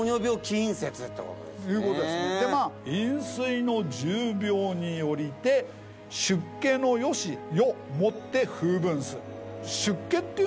「飲水の重病によりて出家の由世もって風聞する」